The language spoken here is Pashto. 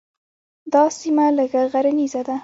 دا سیمه لږه غرنیزه ده.